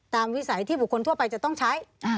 วิสัยที่บุคคลทั่วไปจะต้องใช้